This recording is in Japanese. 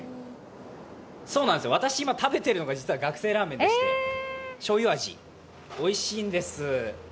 そうなんですよ、私今食べてるのが学生ラーメンでしてしょうゆ味、おいしいんです。